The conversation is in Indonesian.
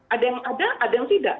ada yang ada ada yang tidak